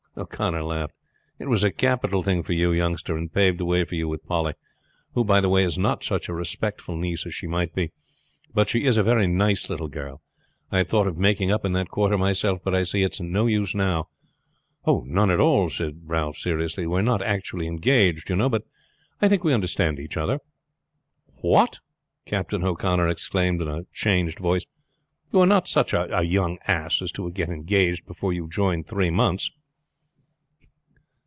O'Connor laughed. "It was a capital thing for you, youngster, and paved the way for you with Polly; who, by the way, is not such a respectful niece as she might be. But she is a very nice little girl. I had thought of making up in that quarter myself, but I see it's no use now." "None at all," Ralph said seriously. "We are not actually engaged, you, know, but I think we understand each other." "What!" Captain O'Connor exclaimed in a changed voice. "You are not such a young ass as to get engaged before you have joined three months?"